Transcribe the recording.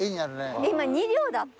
今２両だった？